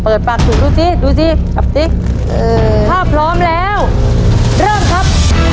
เปิดปากถูกดูสิดูสิครับสิเอ่อถ้าพร้อมแล้วเริ่มครับ